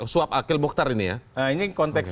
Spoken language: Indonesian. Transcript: suap akhil bokhtar ini ya ini konteks